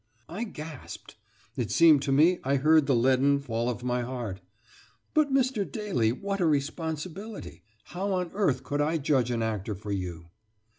I gasped. It seemed to me I heard the leaden fall of my heart. "But Mr. Daly, what a responsibility! How on earth could I judge an actor for you?"